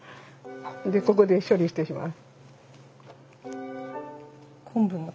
でここで処理してしまう。